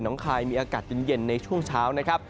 น้องคลายมีอากาศจนเย็นในช่วงเช้า